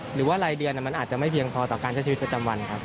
หรือว่ารายเดือนมันอาจจะไม่เพียงพอต่อการใช้ชีวิตประจำวันครับ